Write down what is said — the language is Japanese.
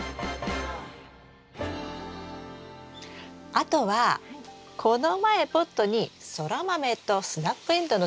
あとはこの前ポットにソラマメとスナップエンドウのタネをまきましたよね？